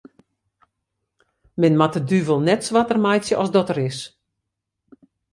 Men moat de duvel net swarter meitsje as dat er is.